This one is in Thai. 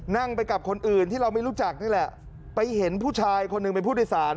นั่งไปกับคนอื่นที่เราไม่รู้จักนี่แหละไปเห็นผู้ชายคนหนึ่งเป็นผู้โดยสาร